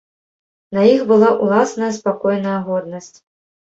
На іх была ўласная спакойная годнасць.